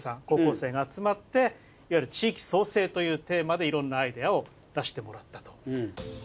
高校生が集まっていわゆる地域創生というテーマでいろんなアイデアを出してもらったと。